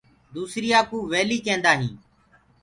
دوسريآ ڪوُ ويلي ڪيندآ هينٚ۔